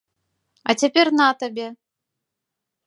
А цяпер на табе!